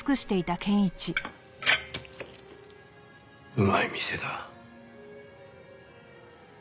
うまい店だ。